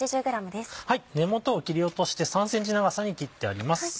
根元を切り落として３ｃｍ長さに切ってあります。